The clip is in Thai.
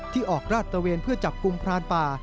ออกราดตะเวนเพื่อจับกลุ่มพรานป่า